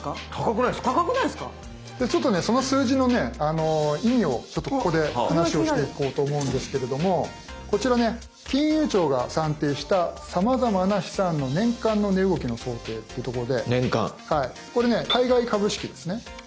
ちょっとねその数字の意味をここで話をしていこうと思うんですけれどもこちらね金融庁が算定した「さまざまな資産の年間の値動きの想定」というとこでこれね海外株式ですね。